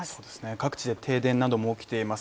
各地で停電なども起きています。